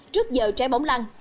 trước giờ trái bóng lăng